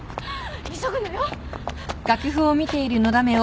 急ぐのよ。